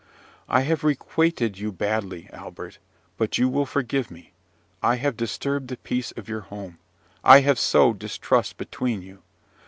"I have requited you badly, Albert; but you will forgive me. I have disturbed the peace of your home. I have sowed distrust between you.